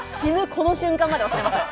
この瞬間まで忘れません。